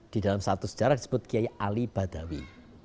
di dalam satu sejarah disebut kiai ali badawi